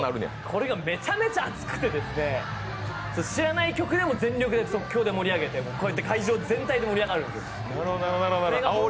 これがめちゃくちゃアツくて、知らない曲でも全力で即興で盛り上げて、会場全体で盛り上がるんですよ。